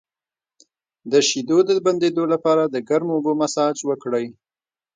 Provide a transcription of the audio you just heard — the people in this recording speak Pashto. د شیدو د بندیدو لپاره د ګرمو اوبو مساج وکړئ